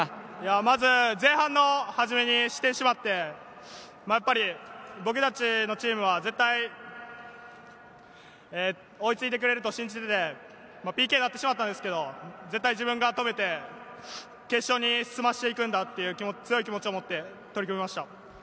まず前半の初めに失点してしまって、僕たちのチームは絶対に追いついてくれると信じていて、ＰＫになってしまったんですけど、絶対自分が止めて、決勝に進ませていくんだっていう強い気持ちを持って取り組みました。